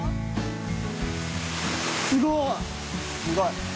すごい！